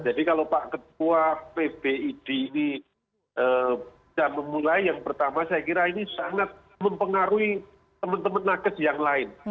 jadi kalau pak ketua pbid ini sudah memulai yang pertama saya kira ini sangat mempengaruhi teman teman nugget yang lain